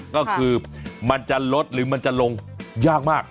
ก็คือมันจะลดหรือมันจะลงยากมาก